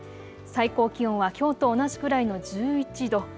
最高気温はきょうと同じくらいの１１度。